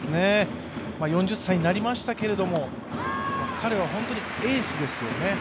４０歳になりましたけれども、彼は本当にエースですよね。